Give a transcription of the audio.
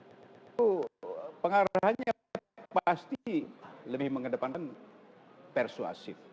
itu pengarahannya pasti lebih mengedepankan persuasif